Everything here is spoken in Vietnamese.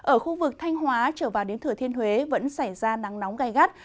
ở khu vực thanh hóa trở vào đến thừa thiên huế vẫn xảy ra nắng nóng gai gắt